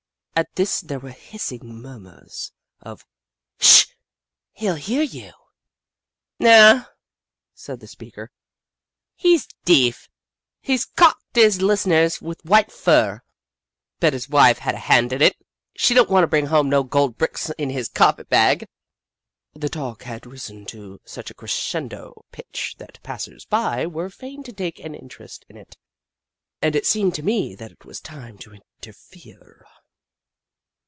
At this there were hissing murmurs of :" Sh h ! He '11 hear you !"" Naw," said the speaker, "he's deef. He's calked his listeners with white fur. Bet his wife had a Snoof 53 hand in it. She don't want him to bring home no gold bricks in his carpet bag." The talk had risen to such a crescendo pitch that passers by were fain to take an interest in it, and it seemed to me that it was time to interfere.